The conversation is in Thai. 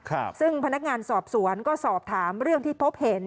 ครับซึ่งพนักงานสอบสวนก็สอบถามเรื่องที่พบเห็น